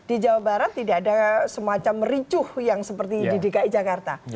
di jawa barat tidak ada semacam ricuh yang seperti di dki jakarta